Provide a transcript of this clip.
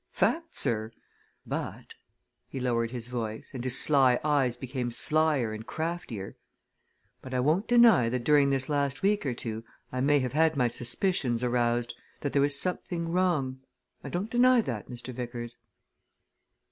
Fact, sir! But" he lowered his voice, and his sly eyes became slyer and craftier "but I won't deny that during this last week or two I may have had my suspicions aroused, that there was something wrong I don't deny that, Mr. Vickers."